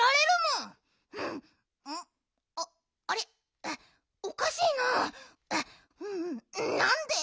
んなんで？